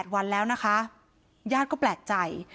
วันแล้วนะคะญาติก็แปลกใจ